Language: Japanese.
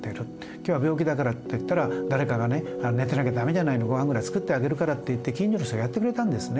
今日は病気だからって言ったら誰かがね寝てなきゃ駄目じゃないのごはんぐらい作ってあげるからって言って近所の人がやってくれたんですね。